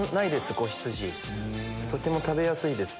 仔羊とても食べやすいです。